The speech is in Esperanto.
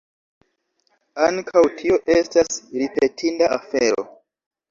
Ankaŭ tio estas ripetinda afero!